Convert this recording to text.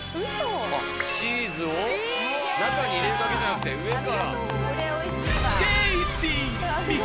チーズを中に入れるだけじゃなくて上から。